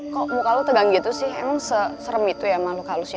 kok muka lu tegang gitu sih emang serem itu ya malu halusnya